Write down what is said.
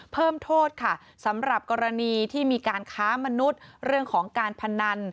เพิ่มโทษค่ะสำหรับกรณีที่มีการค้ามนุษย์เรื่องของการพนัน